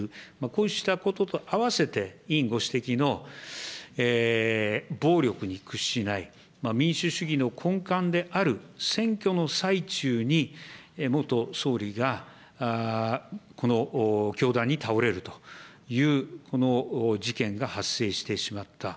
こうしたことと合わせて、委員ご指摘の暴力に屈しない、民主主義の根幹である選挙の最中に、元総理がこの凶弾に倒れるという、この事件が発生してしまった。